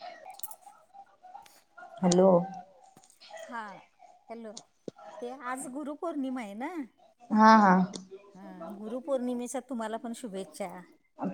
[inaudible] Hello! हा hello! ते आज गुरुपौर्णिमा आहे ना? हा हा. हा गुरुपौर्णिमेच्या तुम्हाला पण शुभेच्छा.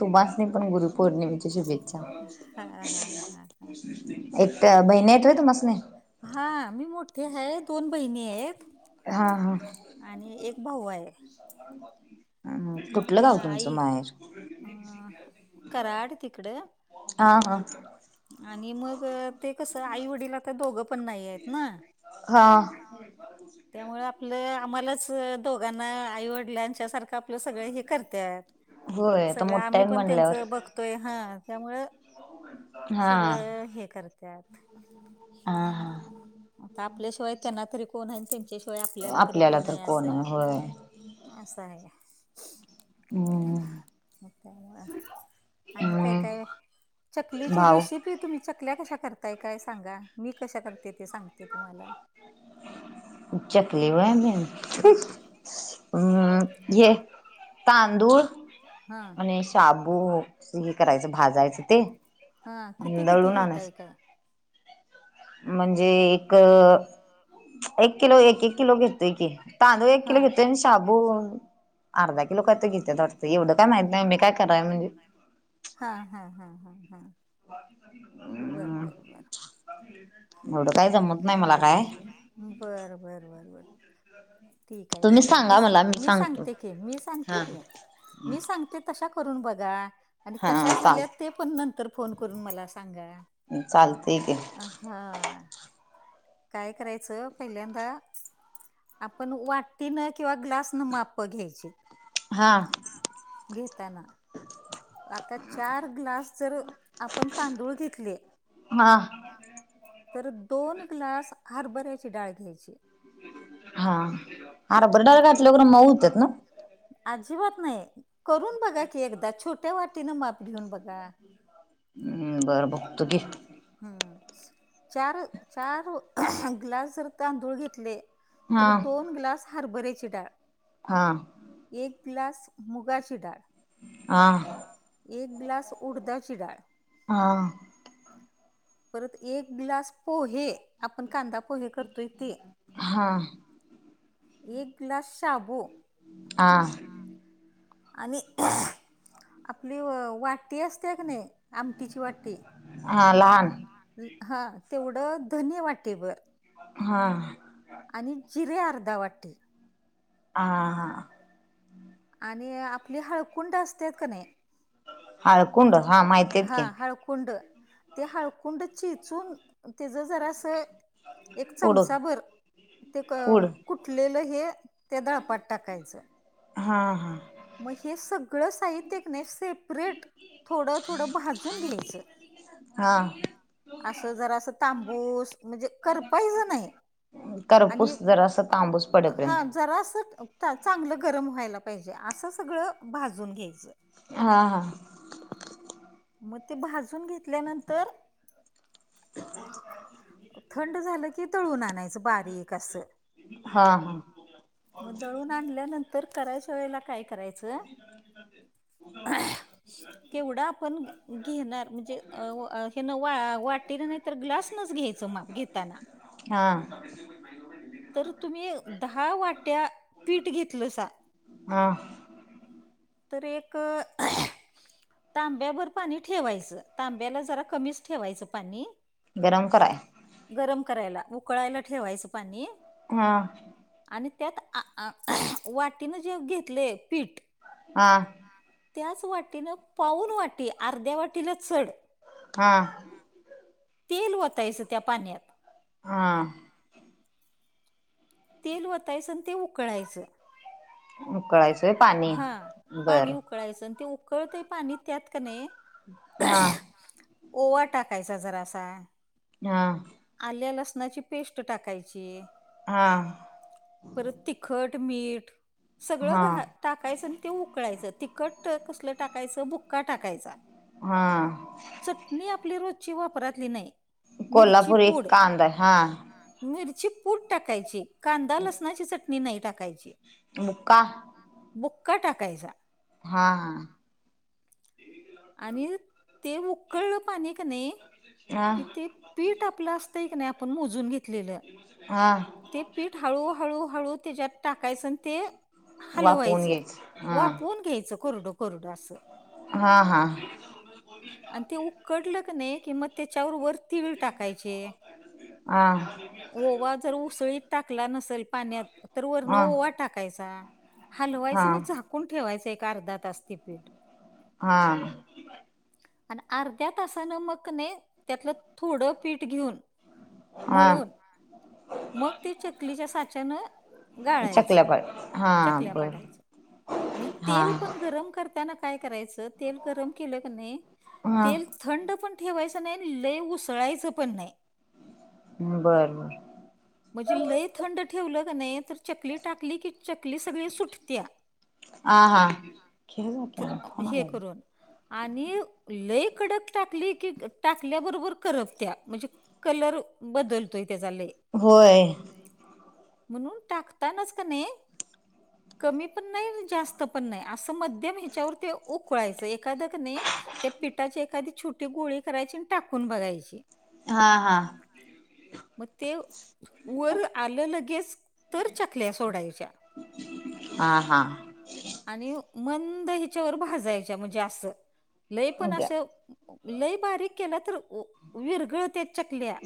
तुम्हासणी पण गुरु पौर्णिमेच्या शुभेच्छा. हा हा हा हा एकट्या,, बहिणी हाईत व्हाय तुम्हासणी? हा! मी मोठी हाय,, दोन बहिणी हाईत. हा हा. भाऊ आहे हम्म कुठलं मग गाव आई? तुमचं माहेर अ कराड तिकड हा हा. आणि मग ते कसं आई वडिला आता दोघं पण नाहीयेत ना. हा त्यामुळ आपलं आम्हालाच दोघांना आईवडिलांच्या सारखं आप आपलं सगळ हे करत्यात. होय आता सगळं मोठा आम्ही आहे पण त्यांच म्हणल्यावर बघ तोय. हा त्यामुळं हा सगळं हे करत्यात हा हा. आता आपल्याशिवाय त्यांना तरी कोण हाय, आणि त त्याच्याशिवाय आपल्याला तरी कोण तर हाय असं,, आहे होय असं हाय. हम्म. त्यामुळ. आणि काय काय? चकलीची भाऊ रेशीप तुम्ही चकल्या कशा करताय काय सांगा? मी कशा करते ते सांगते तुम्हाला. चकली व्हय? हा हमम्म घे. तांदूळ हा आणि शाबू, हे करायचं भाजायचं ते हा किती किती दळून घेताय आणायचं. काय? म्हणजे एक एक किलो एक एक किलो घेतोय की. तांदूळ एक हा किलो घेतोय आणि शाबू अर्धा किलो काय तर घेत्यात वाटतं,, एवढं काय माहित नाही ओ, मी काय कराय म्हणजे हा हा हा हा हा बर बर बर. एवढं काय जमत नाय मला काय. बर बर बर बर. ठीक आहे तुम्ही ठीक आहे, मी सांगा मला मी सांगतो सांगते की, मी सांगते हा की मी सांगते ते तशा करून बघा,, आणि हा कशा चाल झाल्यात ते पण नंतर फोन करून मला सांगा. चालतय की. हा. काय करायचं पहिल्यांदा आपण वाटीनं किंवा ग्लासनं मापं घ्यायची. हां. हा घेताना आता चार ग्लास जर आपण तांदूळ घेतले हा हा,, तर दोन ग्लास हरभऱ्याची डाळ घ्यायची. हा, हरभरा डाळ घातल्यावर खरं मऊ होत्यात ना अजिबात नाही. करून बघा की एकदा छोट्या वाटीनं माप घेऊन बघा. हम्म्म! बर बघतो की हम्म! चार चार ग्लास जर तांदूळ घेतले हा तर दोन ग्लास हरभऱ्याची डाळ. हां एक ग्लास मुगाची डाळ आं? एक ग्लास उडदाची डाळ हां. परत एक ग्लास पोहे आपण कांदा पोहे करतोय ते हा एक ग्लास शाबु हा. आणि आपली वाटी असतेय का नाही आमटीची वाटी हां लहान? हां तेवढं धने वाटीभर हां. आणि जिरे अर्धा वाटी हां हां. आणि आपली हळकुंड असतेत का नाय हळकुंड हा माहिती हळकुंड आहेत हा की हळकुंड ते हळकुंड चिचून त्याच जरासं एक पुड चमचाभर ते क पुड कुटलेलं हे त्या दळपात टाकायचं. हा हा. मग हे सगळं साहित्य कनय सेपरेट थोडं थोडं भाजून घ्यायचं. हां. असं जरासं तांबूस म्हणजे करपायच नाही. आणि करपुस जरास तांब हा जरास चांगलं गरम व्हायला पाहिजे असं सगळं भाजून घ्यायचं. हा हा. मग ते भाजून घेतल्यानंतर थंड झालं की दळून आणायचं बारीक अस. हा हा मग दळून आणल्यानंतर करायच्या वेळेला काय करायच केवढा आपण घेणार म्हणजे हेन वा वाटीन नाही तर ग्लास नच घ्यायचं माप घेताना. हां. तर तुम्ही दहा वाट्या पीठ घेतलंसा? हां. तर एक तांब्याभर पाणी ठेवायचं, तांब्याला जरा कमीच ठेवायचं पाणी. गरम कराय? गरम करायला उकळायला ठेवायचं पाणी. हां. आणि त्यात आ वाटीन जे घेतलय पीठ हां. त्याच वाटीनं पाऊन वाटी अर्ध्या वाटीला चढ हां. तेल ओतायचं त्या पाण्यात. आ. तेल वतायचं आणि ते उकळायचं. उकळायच. हा पाणी उकळायचं आणि ते उकळतही पाणी त्यात का नाही हा. ओवा टाकायचा जरासा. हा. आल्या लसणाची पेस्ट टाकायची. आ. परत तिखट, मीठ हा सगळं घा टाकायचं आणि ते उकळायचं तिखट कसलं टाकायचं बुक्का टाकायचा. हां. चटणी आपली रोजची वापरातली नाही मिरची कोल्हापुरी पुड. कांदा हा मिरची पूट टाकायची कांदा लसणाची चटणी नाही टाकायची. मुका. बुक्का टाकायचा. हा हा. आणि ते उकळलं पाणी क नाहीे हा की ते पीठ आपलं असतंय क नाही आपण मोजून घेतलेलं. हां. ते पीठ हळूहळू हळू त्याच्यात टाकायचं आणि ते हल वाफवून व्हायचं घ्यायचं हा वापून घ्यायचं कोरडं कोरडं असं. हा हा. आणि ते उकडलं क नाही की मग त्याच्यावर वर तीळ टाकायचे हा ओवा जर उसळीत टाकला नसेल पाण्यात तर वरण हा ओवा टाकायचा. हा हलवायचं आणि झाकून ठेवायचं एक अर्धा तास ते पीठ. हां. आणि अर्ध्या तासानं मग कन‌ई त्यातलं थोडं पीठ घेऊन मळून. [inaudible] मग ते चकलीच्या साच्यानं गाळायचं चकल्या पाहिजे हा चकल्या बर पाडायचं. आणि हा तेल पण गरम करताना काय करायचं, तेल गरम केलं क नाही हा तेल थंड पण ठेवायचं नाही लय उसळायचं पण नाही. बरं बर. म्हणजे लय थंड ठेवलं का नाही तर चकली टाकली की चकली सगळी सुटत्या. आ हा. हे करून आणि लय कड टाकली की टाकल्याबरोबर करप त्या म्हणजे कलर बदलतो त्याचा लय. होय. म्हणून टाकता नच कने. [inaudible] कमी पण नाही जास्त पण नाही असं मध्यम ह्याच्यावर ते उकळायचं एखादकने त्या पिठाची एखादी छोटी गोळी करायची आणि टाकून बघायची. हा हा. हा, म ते व वर आलं लगेच तर चकल्या सोडायच्या. हा- हा. आणि मंद हिच्यावर भाजायच्या म्हणजे असं लैय पण असं लैय बारीक केला तर व- व विरघळते चकल्या.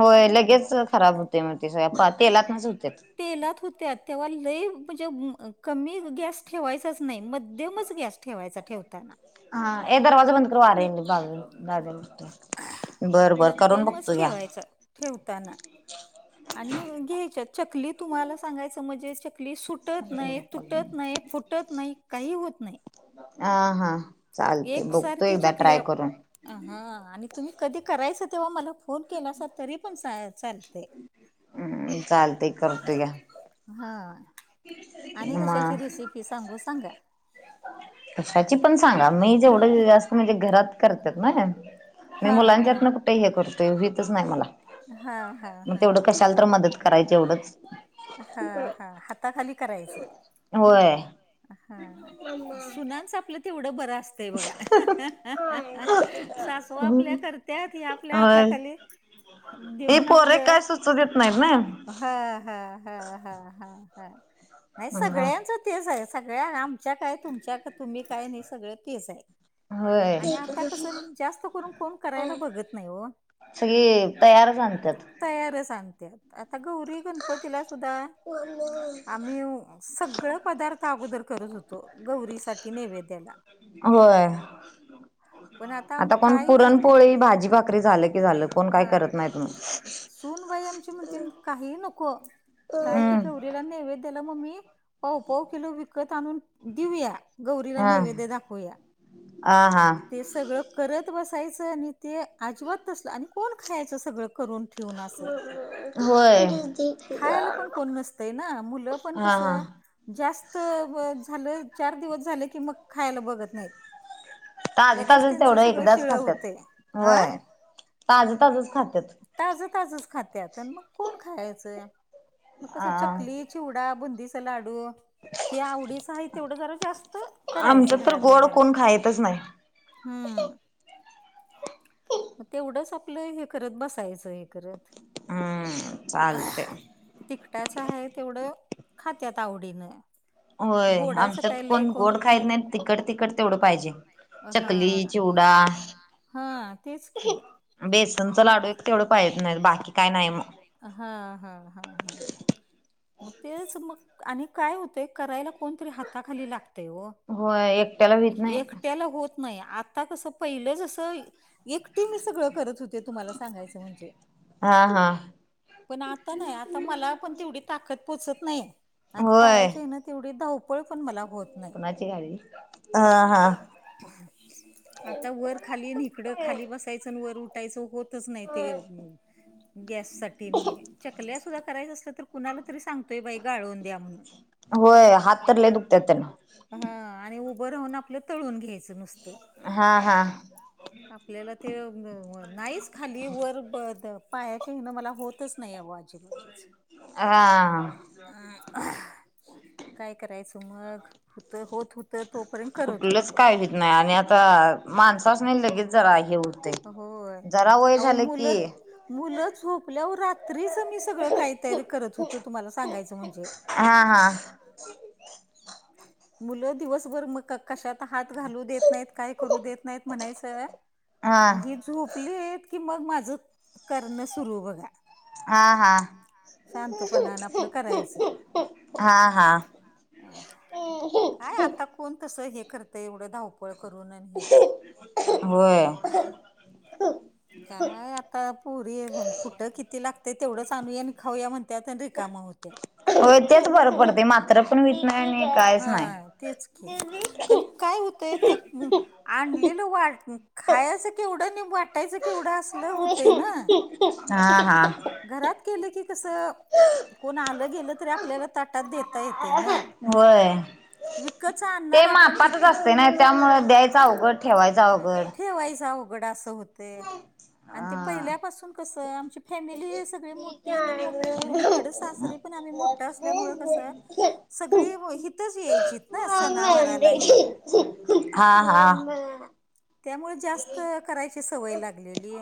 होय, लगेच खराब होते मग होतात. ते सगळ तेलात नच होते. तेलात होत्यात तेव्हा लैय म्हणजे कमी गॅस ठेवायचाचं नाही मध्यमंच गॅस ठेवायचा ठेवताना. ह हे दरवाजा मंद कर वारडी बाब दादे [unintelligible] बरं -बरं करून मध्यमच बघतोया. ठेवायचा ठेवताना आणि घ्यायच्या चकली तुम्हाला सांगायचं म्हणजे चक चकली सुटत नाही, तुटत नाही, फुटत नाही काही होत नाही. हा- हा चालतंय बघतो एकदा ट्राय करून. अं हा आणि तुम्ही कधी करायचं तेव्हा मला फोन केला असा तरी पण सा चालतयं. हम्म, चालते हा आणि कशाची मग रेसिपी सांगू सांगा? कशाची पण सांगा मी जेवढं जास्त म्हणजे घरात करतेात ना मी हा हा मुलांच्यात ना ते हे करतोय वितच नाही मला. हा, हा, हा, हा, हा. करायच एवढंच हा -हा हाताखाली करायचं. होय, हा, सुनानचं आपलं तेवढं बरं असतं तेय बघा, अं, हा, हा. हा... सासवा आपल्या करत्यात हे आपल्या होय हाताखाली हे देऊन पोरे आपलं, काय सुचू देत नाहीत हा -हा. हा, हा, हा, हा, नाही ना सगळ्यांच तेच आहे, सगळ्या आमच्या काय तुमच्या त तुम्ही काय नाही सगळं तेच आहे. होय आणि आत्ता कसं जास्त करून फोन करायला बघत नाही हो. सगळी तयारच आणत्यात. तयारच आणत्यात आता गौरी, गणपतीला सुद्धा आम्ही ओ सगळं पदार्थ अगोदर करत होतो, गौरी साठी नैवेद्याला. होय, पण आता काही नाही. ही भाजी-भाकरी झालं की झालं. कोण काय हा करत नाहीत मग सूनबाई आमची म्हणती काही नको. काय ते हम्म गौरीला नेवेद्याला मग् मी पाऊ- पाऊ किलो विकत आणून देऊया गौरीला हा नैवेद्य दाखवु या, हा हा हा-हा. ते सगळं करत बसायचं आणि ते आजवा तसलं आणि कोण खायचं सगळं करून ठिऊन आसं होय खायला पण कोण नसतयं ना मुलं पण हा कसं हा जास्त ब झालं, चार दिवस झालं की मग खायला बघत नाहीत. ताजं लगेच ताजचं त्यांचं तेवढं सगळं एकदाच शिळं खातात होतंय अ व्हंय, ताजं ताजचं खात्यात. ताजं- ताजचं खात्यात अन् मग कोण खायचं, मग अ कसं चकली चिवडा, बुंदीचा लाडू हे आवडीचं आहे तेवढं जरा जास्त आमच्यात करायचं तर घरातल्या गोड कोण घरात, खायतच नाही. हम्म मग तेवढंच आपलं हे करत बसायचं हे करत. हम्म, चालतय. तिकटाचं हाय तेवढं खात्यात आवडीनं. व्हय, गोडाचं आमच्यात काय लय कोण गोड खायीत नाय, खायत नाहीत, तिखट तिखट तेवढं पाहिजे पाहिजे. चकली, हा चिवडा हा, तेच की बेसनचा मग लाडू एक कसं तेवढं पाहिजे नाय तर बाकी काय नाही मग. हा हा हा हं तेच मग आणि काय होतंय करायला कोणतरी हाताखाली लागतय ओ. व्हय, एक एकट्याला होत नाही, आता कसं पहिलं जसं एकटी मी सगळं करत हू ते तुम्हाला सांगायच म्हणजे हा हा पण आता नाय, आता मला पण तेवढी ताकद पोचत नाय, अन होय. पायाच्या ह्यान तेवढी धावपळ पण मला होत नाही. कोणाच्या गावी? आता वर-खाली न हीकड खाली बसायच आणि वर उठायच होत तच नाही ते, गॅससाठी नी हे चकल्या सुद्धा करायच्या असल तर कुणाला तरी सांग तोय बाई गाळो व्हय, हात तर लय दुखत्यात त्यान. हा, आणि उभं राहून आपलं तळून घ्यायचं नुसत. हा [unintelligible] आपल्याला ते अ व नाहीच, खाली-वर पायाच्या ह्यान मला होतच नाही आ ओ आत हा. [inaudible] हा अ काय करायच मग, हुत होत हुत कुठलच काय हुयत नाय, आणि आता माणसासनी लगेच जरा हे होत तय, होय जरा वय अहो झालं मुलं की मुलं झोपल्यावर रात्रीच मी सगळं काही तयारी करत हुतो, तुम्हाला सांगायच म्हणजे. हा हा मुलं दिवसभर मग का कशात हात घालू देत नाहीत, काय करू देत नाहीत म्हणायचं हा आणि ही झूप लित की मग माझं करण सुरू बघा. हा हा शांतपणान आपलं करायच. हा हा [inaudible] काय आता कोण तस हे करतय एवढ धाव पळ करून आणि हे. होय काय आता पोरी कुठं, किती लागतय तेवढंच आणूया नि खाऊया म्हणत्यात आणि रिकाम होत्यात. व्हय, तेच बर पडतय मात्र पण व्हित नाय आणि कायच नाय. हा तेच की, क काय हूतंय ते आणलेलं वाट खायाच केवढ नी, वाटायच केवढ? हा हा घरात केल की कस कोण आल, गेल तरी आपल्याला ताटात देता येतय ना. व्हय. विकतच ते आणणार आपण मापातच किती असतय नाय, त्यामुळ द्यायचं अवघड, ठेवायच अवघड. ठेवायच अघड असं होते आणि ते हा. पहिल्यापासून कसं आमची फॅमिली सगळी मोठी आणि [inaudible] इकड सासरी पण आम्ही मोठं असल्यामुळ कस सग होय हितच यायचीत ना मम्मा सणावारा हा हा त्यामुळ जास्त करायची सवय लागलेली.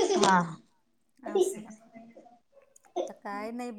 हा असं. काय नाही बग